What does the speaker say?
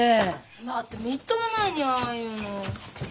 だってみっともないによああいうの。